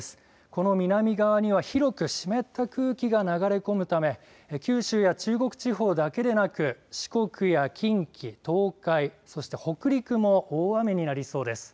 この南側には広く湿った空気が流れ込むため九州や中国地方だけでなく四国や近畿、東海そして北陸も大雨になりそうです。